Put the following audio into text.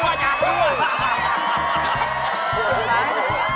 มาโดนหนึ่งคนโดนหน่อย